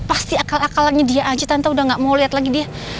pasti akal akalannya dia aja tante udah gak mau lihat lagi dia